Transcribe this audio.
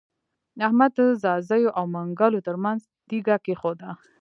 احمد د ځاځيو او منلګو تر منځ تيږه کېښوده.